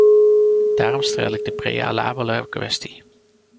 Daarom stel ik de prealabele kwestie.